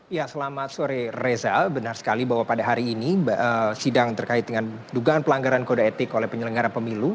ya selamat sore reza benar sekali bahwa pada hari ini sidang terkait dengan dugaan pelanggaran kode etik oleh penyelenggara pemilu